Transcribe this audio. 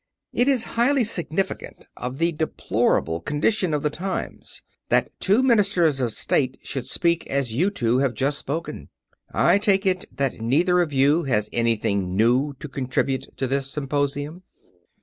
"It is highly significant of the deplorable condition of the times that two Ministers of State should speak as you two have just spoken. I take it that neither of you has anything new to contribute to this symposium?"